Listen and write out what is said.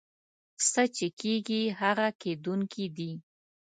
څه چې کېږي هغه کېدونکي دي.